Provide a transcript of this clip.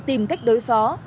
tìm cách đối phó